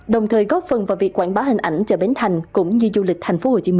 đồng thời góp phần vào việc quảng bá hình ảnh chợ bến thành cũng như du lịch tp hcm